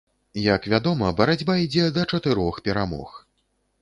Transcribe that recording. Як вядома, барацьба ідзе да чатырох перамог.